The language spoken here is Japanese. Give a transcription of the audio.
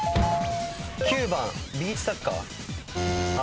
９番ビーチサッカー？